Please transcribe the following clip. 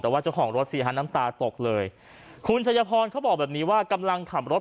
แต่ว่าเจ้าของรถสิฮะน้ำตาตกเลยคุณชัยพรเขาบอกแบบนี้ว่ากำลังขับรถ